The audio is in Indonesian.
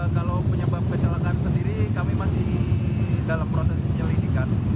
kalau penyebab kecelakaan sendiri kami masih dalam proses penyelidikan